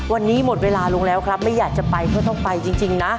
วันนี้หมดเวลาลงแล้วครับไม่อยากจะไปก็ต้องไปจริงนะ